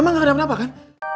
mama gak ada apa apa kan